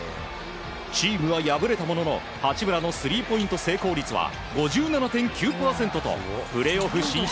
チームは敗れたものの八村のスリーポイント成功率は５７．９％とプレーオフ進出